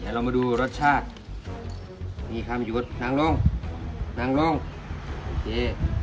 เรามาดูรสชาติมีคำหยุดนั่งลงนั่งลงโอเค